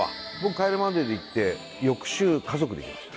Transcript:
『帰れマンデー』で行って翌週家族で行きました。